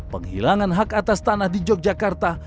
penghilangan hak atas tanah di yogyakarta